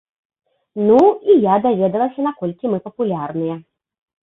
Ну і я даведалася, наколькі мы папулярныя.